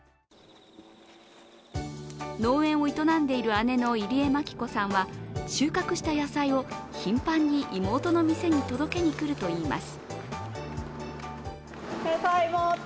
農園を営んでいる姉の入江槙子さんは収穫した野菜を頻繁に妹の店に届けに来るといいます。